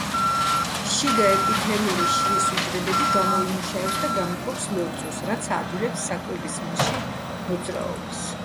შიგა ეპითელური შრის უჯრედები გამოიმუშავებს და გამოყოფს ლორწოს, რაც აადვილებს საკვების მილში მოძრაობას.